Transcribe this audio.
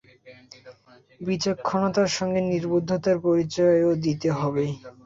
বিচক্ষণতার সাথে নির্বুদ্ধিতার পরিচয়ও দিতে হবে।